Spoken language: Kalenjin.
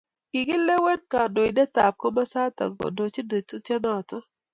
Kikilewen kandoindetab komasatak kondochi tetutienotok.